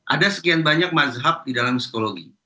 ada sekian banyak mazhab di dalam psikologi